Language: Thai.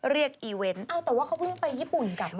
เรียกอีเวนต์เอ้าแต่ว่าเขาเพิ่งไปญี่ปุ่นกลับมา